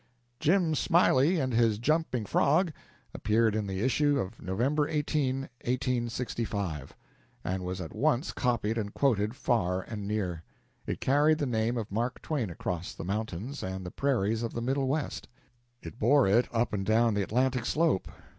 "Jim Smiley and his jumping Frog" appeared in the issue of November 18, 1865, and was at once copied and quoted far and near. It carried the name of Mark Twain across the mountains and the prairies of the Middle West; it bore it up and down the Atlantic slope.